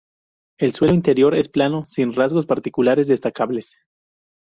El suelo interior es plano, sin rasgos particulares destacables.